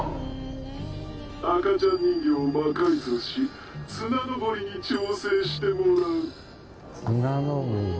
赤ちゃん人形を魔改造し綱登りに挑戦してもらう。